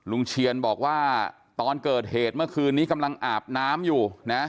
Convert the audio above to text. เชียนบอกว่าตอนเกิดเหตุเมื่อคืนนี้กำลังอาบน้ำอยู่นะ